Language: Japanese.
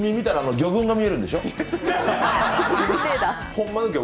魚群が見えるんでしょ？